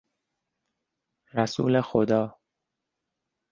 رسول خدا